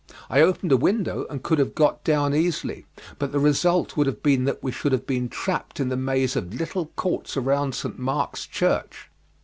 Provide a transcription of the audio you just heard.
I opened a window and could have got down easily, but the result would have been that we should have been trapped in the maze of little courts around St. Mark's Church.